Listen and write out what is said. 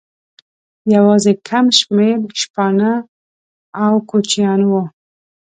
یوازې کم شمېر شپانه او کوچیان وو.